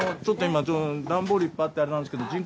ちょっと今ダンボールいっぱいあってあれなんですけど